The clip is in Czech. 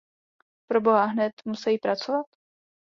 Proboha, hned musejí pracovat?